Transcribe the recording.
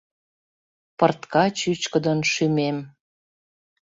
Пыртка чӱчкыдын шӱмем